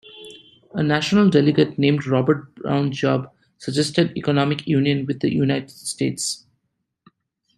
A National Delegate named Robert Brown Job suggested economic union with the United States.